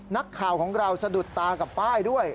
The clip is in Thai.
นักข่าวของเราสะดุดตากับป้ายด้วย